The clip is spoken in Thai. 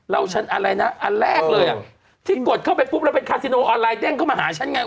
ฉันอะไรนะอันแรกเลยอ่ะที่กดเข้าไปปุ๊บเราเป็นคาซิโนออนไลเด้งเข้ามาหาฉันไง